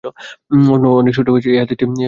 অন্য অনেক সূত্রেও এ হাদীসটি বর্ণিত হয়েছে।